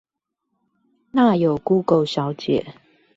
那有估狗小姐